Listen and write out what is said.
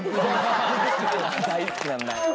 大好きなんだ。